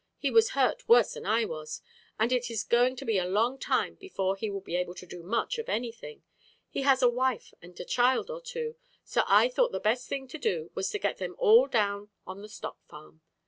He was hurt worse than I was, and it is going to be a long time before he will be able to do much of anything. He has a wife and a child or two, so I thought the best thing to do was to get them all down on the stock farm.